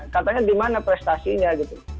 katanya di mana prestasinya gitu